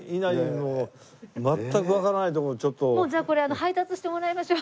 もうじゃあこれ配達してもらいましょう。